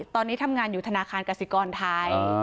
ตอนนี้ทำงานอยู่ธนาคารกสิกรไทย